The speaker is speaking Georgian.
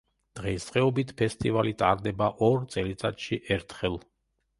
დღესდღეობით ფესტივალი ტარდება ორ წელიწადში ერთხელ.